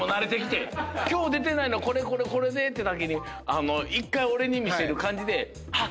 今日出てないのは「これこれこれで」ってときに１回俺に見せる感じであっ！